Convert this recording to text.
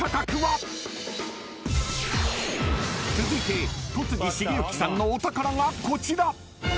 ［続いて戸次重幸さんのお宝がこちら］